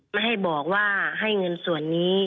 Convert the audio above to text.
ไม่ให้บอกว่าให้เงินส่วนนี้